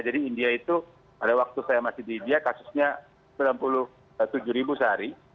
jadi india itu pada waktu saya masih di india kasusnya sembilan puluh tujuh sehari